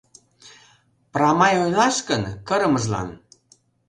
Прамай ойлаш гын, кырымыжлан.